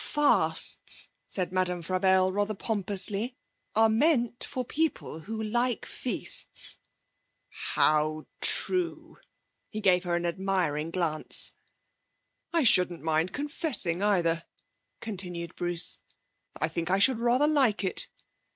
'Fasts,' said Madame Frabelle rather pompously, 'are meant for people who like feasts.' 'How true!' He gave her an admiring glance. 'I should not mind confessing, either,' continued Bruce, 'I think I should rather like it.'